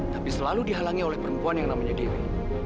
tapi selalu dihalangi oleh perempuan yang namanya dewi